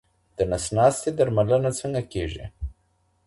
د نس ناستي درملنه څنګه کیږي؟